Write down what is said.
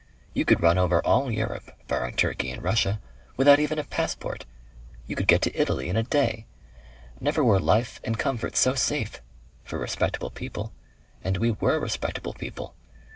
You could run over all Europe, barring Turkey and Russia, without even a passport. You could get to Italy in a day. Never were life and comfort so safe for respectable people. And we WERE respectable people....